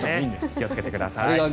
気をつけてください。